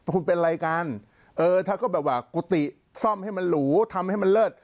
คุณเป็นอะไรกันเออถ้าก็แบบว่ากุฏิซ่อมให้มันหรูทำให้มันเลิศ